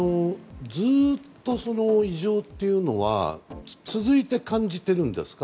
ずっと異常というのは続いて感じているんですか。